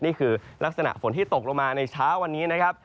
นี่คือลักษณะฝนที่ตกลงมาในเช้าวันนี้นะครับ